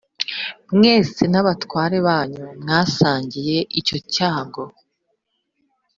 mwese n’abatware banyu mwasangiye icyo cyago